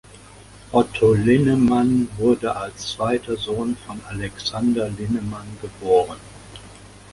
Otto Linnemann wurde als zweiter Sohn von Alexander Linnemann geboren.